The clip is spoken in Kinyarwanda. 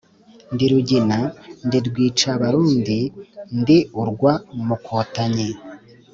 Ndi Rugina, ndi Rwica abarundi, ndi urwa Mukotanyi.